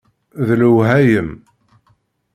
D lewhayem.